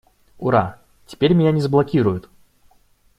Ура! Теперь меня не заблокируют!